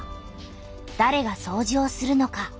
だれがそうじをするのか？